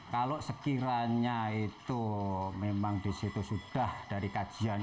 kalau sekiranya itu memang disitu sudah dari kajian